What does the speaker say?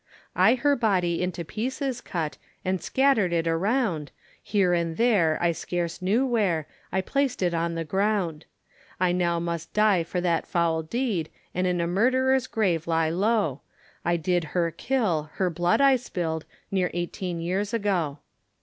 I her body into pieces cut, And scattered it around, Here and there, I scarce knew where, I placed it on the ground. I now must die for that foul deed, And in a murderer's grave lie low, I did her kill, her blood I spilled, Near eighteen years ago.